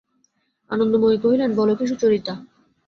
আনন্দময়ী কহিলেন, বল কী সুচরিতা!